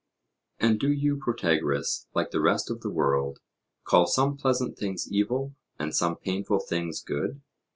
And do you, Protagoras, like the rest of the world, call some pleasant things evil and some painful things good?